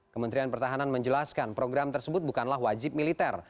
kementerian pertahanan menjelaskan program tersebut bukanlah wajib militer